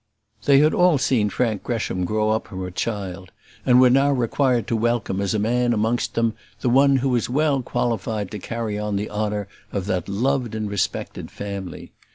They had all seen Frank Gresham grow up from a child; and were now required to welcome as a man amongst them one who was well qualified to carry on the honour of that loved and respected family.